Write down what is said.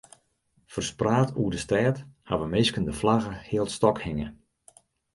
Ferspraat oer de stêd hawwe minsken de flagge healstôk hinge.